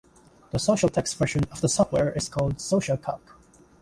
The Socialtext version of the software is called SocialCalc.